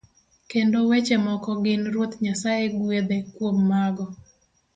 Kendo weche moko gin Ruoth Nyasaye gwedhe kuom mago.